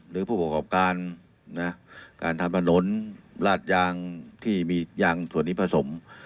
หรือผู้ประกอบการการทำถนนลาดยางที่มียางส่วนนี้ผสม